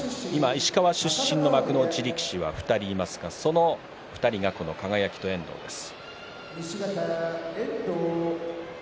石川出身の幕内力士は２人いますがその２人が、この輝と遠藤です。